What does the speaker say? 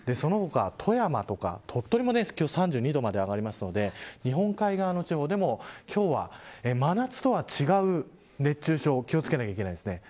その他、富山とか鳥取も今日は３２度まで上がるので日本海側の地方でも今日は真夏とは違う熱中症に気を付けなければいけません。